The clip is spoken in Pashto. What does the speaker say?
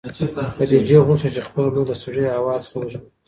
خدیجې غوښتل چې خپله لور له سړې هوا څخه وژغوري.